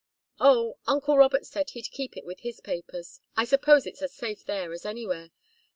"Oh, uncle Robert said he'd keep it with his papers. I suppose it's as safe there as anywhere.